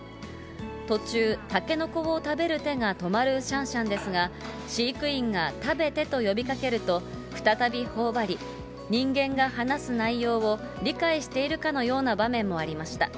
途中、タケノコを食べる手が止まるシャンシャンですが、飼育員が食べてと呼びかけると、再びほおばり、人間が話す内容を理解しているかのような場面もありました。